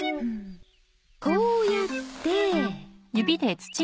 こうやって。